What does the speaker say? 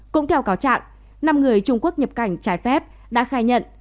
cũng theo cáo trạng năm người trung quốc nhập cảnh trái phép đã khai nhận